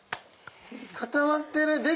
固まってる。